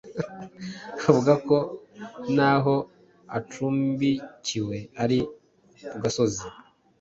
avuga ko n’aho acumbikiwe ari ku gasozi